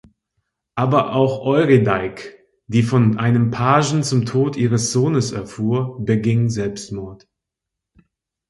Aber auch Eurydike, die von einem Pagen vom Tod ihres Sohnes erfuhr, beging Selbstmord.